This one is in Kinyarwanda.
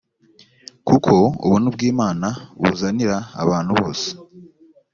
kuko ubuntu bw imana buzanira abantu bose